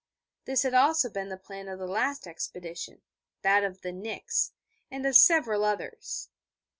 This had also been the plan of the last expedition that of the Nix and of several others.